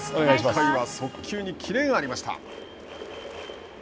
１回は速球にキレがありました。